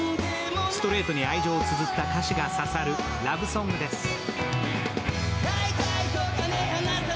ストレートに愛情をつづった歌詞が刺さるラブソングです。